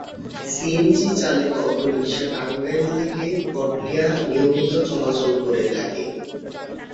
CNG চালিত auto rickshaw Tangail থেকে করটিয়া নিয়মিত চলাচল করে থাকে।